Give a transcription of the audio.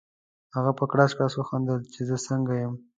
هغه په کړس کړس وخندل چې زه څنګه یم؟